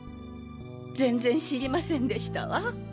全然知りませんでしたわ。